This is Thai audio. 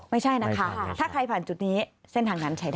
ไม่ใช่นะคะถ้าใครผ่านจุดนี้เส้นทางนั้นใช้ได้